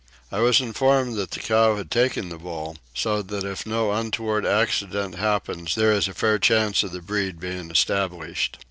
I was informed that the cow had taken the bull; so that if no untoward accident happens there is a fair chance of the breed being established.